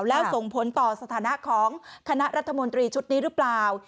แล้วส่งผลต่อสถานะของคณะรัฐมนตรีชุดนี้หรือเปล่า